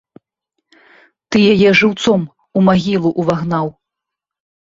Ты яе жыўцом у магілу ўвагнаў.